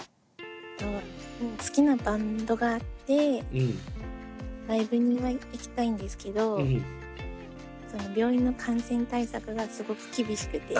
好きなバンドがあってライブには行きたいんですけど病院の感染対策がすごく厳しくて。